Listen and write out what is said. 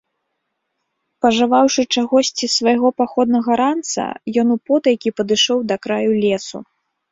Пажаваўшы чагосьці з свайго паходнага ранца, ён употайкі падышоў да краю лесу.